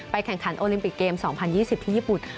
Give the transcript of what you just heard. แข่งขันโอลิมปิกเกม๒๐๒๐ที่ญี่ปุ่น